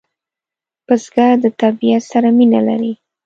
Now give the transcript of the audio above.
بزګر د طبیعت سره مینه لري